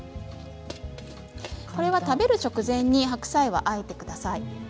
これは、食べる直前に白菜はあえてください。